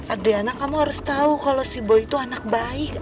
adriana kamu harus tau kalau si boy itu anak baik